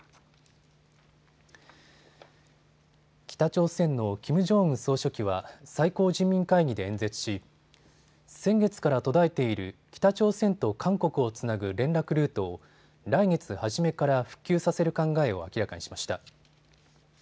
北朝鮮のキム・ジョンウン総書記は最高人民会議で演説し先月から途絶えている北朝鮮と韓国をつなぐ連絡ルートを来月初めから復旧させる考えを明らかにしました。